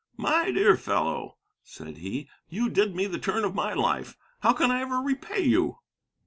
'My dear fellow,' said he, 'you did me the turn of my life. How can I ever repay you?'